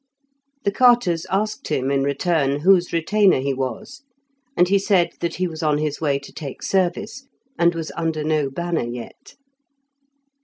The carters asked him, in return, whose retainer he was, and he said that he was on his way to take service, and was under no banner yet.